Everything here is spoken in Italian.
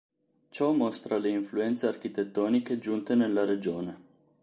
Ciò mostra le influenze architettoniche giunte nella regione.